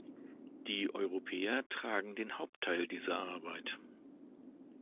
Die Europäer tragen den Hauptteil dieser Arbeit.